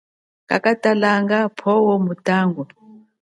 Kakatalanga phowo mutangu.